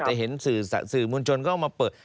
จะเห็นสื่อมวลชนก็เอามาเปิด